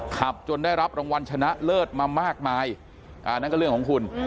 ขับจนได้รับรางวัลชนะเลิศมามากมายอ่านั่นก็เรื่องของคุณ